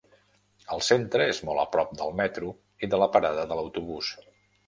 El centre és molt a prop del metro i de la parada de l'autobús.